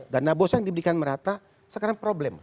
dana bos yang diberikan merata sekarang problem